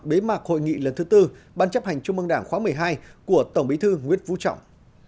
bế mạc hội nghị lần thứ tư ban chấp hành trung mương đảng khóa một mươi hai của tổng bí thư nguyễn phú trọng